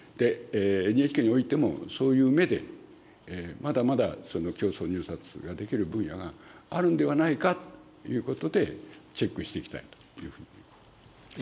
ＮＨＫにおいても、そういう目でまだまだ、その競争入札ができる分野があるんではないかということで、チェックしていきたいというふうに思います。